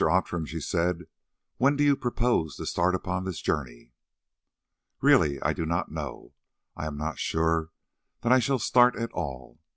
Outram," she said, "when do you propose to start upon this journey?" "Really, I do not know. I am not sure that I shall start at all.